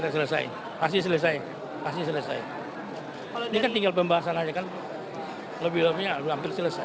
selesai kita selesai asi selesai ini kan tinggal pembahasan aja kan lebih lebihnya hampir selesai